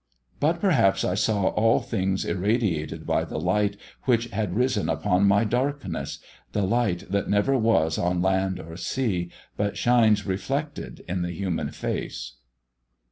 But perhaps I saw all things irradiated by the light which had risen upon my darkness the light that never was on land or sea, but shines reflected in the human face.